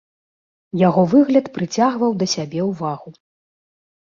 Яго выгляд прыцягваў да сябе ўвагу.